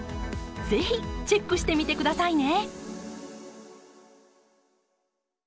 是非チェックしてみてくださいね！